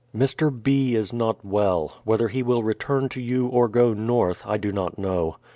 Mr. B. is not well; whether he will return to you or go north, I do not know.